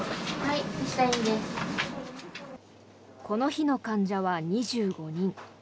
この日の患者は２５人。